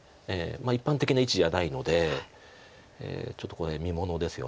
一般的な位置じゃないのでちょっとこれ見ものですよね